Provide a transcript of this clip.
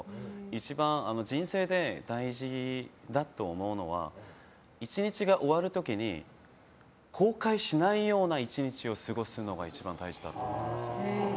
一番人生で大事だと思うのは１日が終わる時に後悔しないような１日を過ごすのが一番大事だと思います。